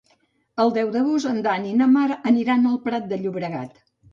El deu d'agost en Dan i na Mar aniran al Prat de Llobregat.